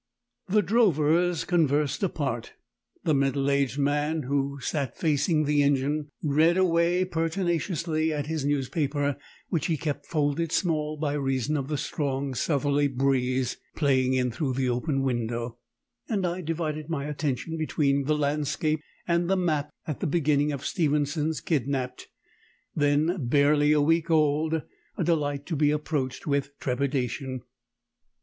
The drovers conversed apart; the middle aged man (who sat facing the engine) read away pertinaciously at his newspaper, which he kept folded small by reason of the strong southerly breeze playing in through the open window; and I divided my attention between the landscape and the map at the beginning of Stevenson's Kidnapped then barely a week old, a delight to be approached with trepidation.